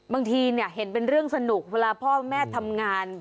บางทีเห็นเป็นเรื่องสนุกเวลาพ่อแม่ทำงาน